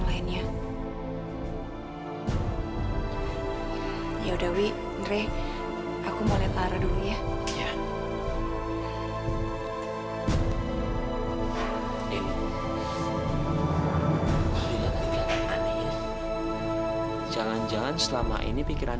lila katanya cenguk larang